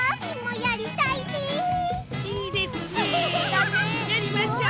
やりましょう！